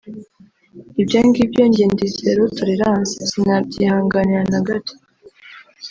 ibyo ngibyo byo njye ndi zero Torelance(sinabyihangania na gato)